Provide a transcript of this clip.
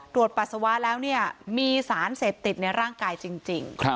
ปัสสาวะแล้วเนี่ยมีสารเสพติดในร่างกายจริง